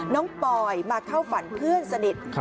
ปอยมาเข้าฝันเพื่อนสนิท